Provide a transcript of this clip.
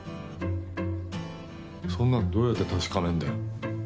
そんなのどうやって確かめるんだよ。